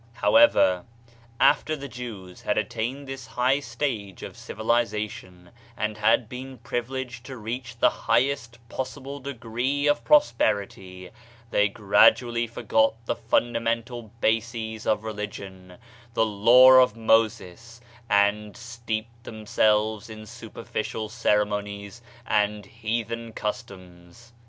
However, after the Jews had attained this high stage of civilization and had been privileged to reach the highest possible degree of prosperity, they gradually forgot the fundamental bases of religion — the law of Moses — and steeped them selves in superficial ceremonies and heathen cus toms.